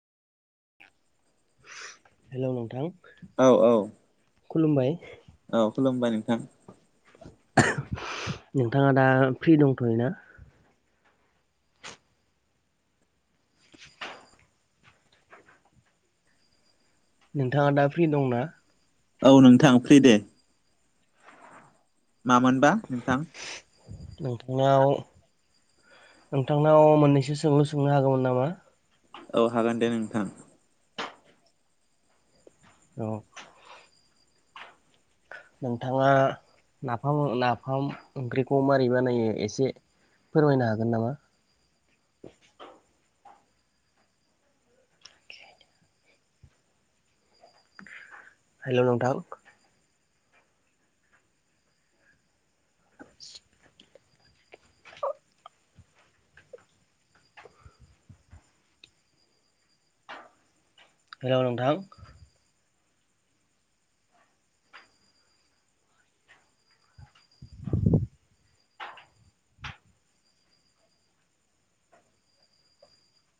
हेल' नोंथां? औ औ खुलुमबाय औ खुलुमबाय नोंथां नोंथाङा दा फ्रि दंथ'यो ना? नोंथाङा दा फ्रि दंना? औ नोंथां फ्रि दे मामोनबा नोंथां नोंथांनाव नोंथांनाव मोननैसो सोंलु सोंनो हागौमोन नामा? औ हागोन दे नोंथां औ नोंथाङा नाफाम नाफाम ओंख्रिखौ माबारै बानायो एसे फोरमायनो हागोन नामा? हेल' नोंथां हेलौ नोंथां